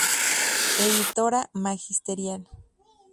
Editora Magisterial.